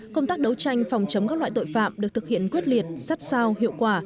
công tác đấu tranh phòng chống các loại tội phạm được thực hiện quyết liệt sát sao hiệu quả